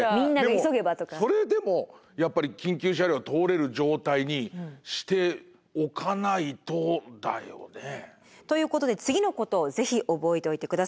でもそれでもやっぱり緊急車両通れる状態にしておかないとだよね。ということで次のことを是非覚えておいてください。